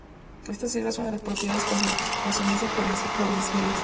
Esta sierra es una de las prioridades conservacionistas provinciales.